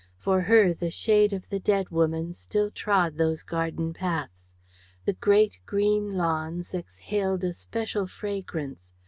For her, the shade of the dead woman still trod those garden paths. The great, green lawns exhaled a special fragrance.